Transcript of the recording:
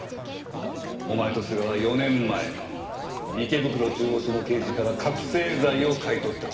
お前と須賀は４年前池袋中央署の刑事から覚醒剤を買い取った。